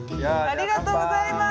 ありがとうございます。